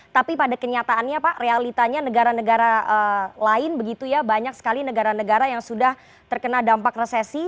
tapi pada kenyataannya pak realitanya negara negara lain begitu ya banyak sekali negara negara yang sudah terkena dampak resesi